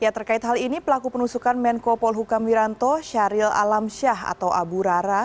terkait hal ini pelaku penusukan menko polhukam wiranto syahril alamsyah atau abu rara